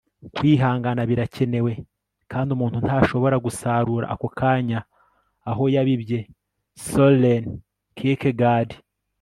kwihangana birakenewe, kandi umuntu ntashobora gusarura ako kanya aho yabibye. - soren kierkegaard